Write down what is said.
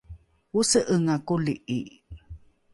ose’enga koli’i